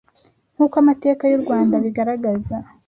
Nk’uko amateka y’u Rwanda abigaragaza